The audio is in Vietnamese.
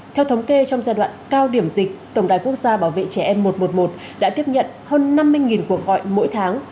theo thống kê trong giai đoạn cao điểm dịch tổng đài quốc gia bảo vệ trẻ em một trăm một mươi một đã tiếp nhận hơn năm mươi cuộc gọi mỗi tháng